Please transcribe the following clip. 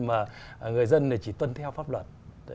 mà người dân chỉ tuân theo pháp luật